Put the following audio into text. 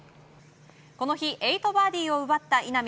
この日８バーディーを奪った稲見。